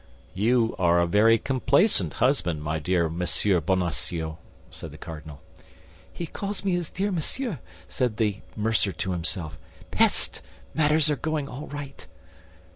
"You are a very complacent husband, my dear Monsieur Bonacieux," said the cardinal. "He calls me his dear Monsieur," said the mercer to himself. "Peste! Matters are going all right."